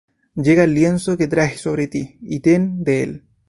Llega el lienzo que traes sobre ti, y ten de él.